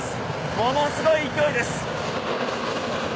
ものすごい勢いです。